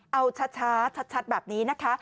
เอาช้าชัดแบบนี้นะคะ